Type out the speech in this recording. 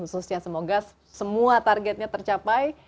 khususnya semoga semua targetnya tercapai